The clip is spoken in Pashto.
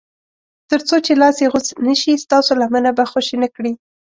تر څو چې لاس یې غوڅ نه شي ستاسو لمنه به خوشي نه کړي.